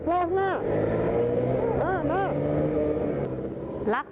เป็นอะไร